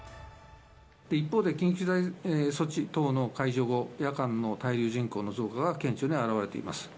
一方で緊急事態措置等の解除後、夜間の滞留人口の増加が顕著に表れています。